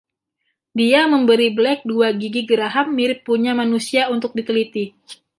Dia memberi Black dua gigi geraham mirip punya manusia untuk diteliti.